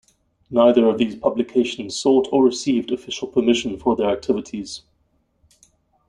Neither of these publications sought or received official permission for their activities.